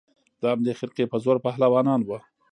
د همدې خرقې په زور پهلوانان وه